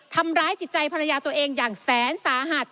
ทำร้ายจิตใจภรรยาตัวเองอย่างแสนสาหัส